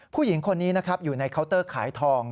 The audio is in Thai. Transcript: ผู้หญิงคนนี้นะครับอยู่ในเคาน์เตอร์ขายทอง